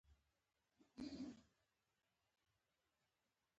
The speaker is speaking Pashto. د غیرقانوني پیسو اخیستل بند دي؟